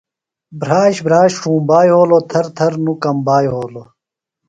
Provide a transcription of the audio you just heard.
بھراش، بھراش ݜُومبا یھولوۡ، تھر تھر نوۡ کمبا یھولوۡ